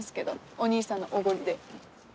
お兄さんのおごりで。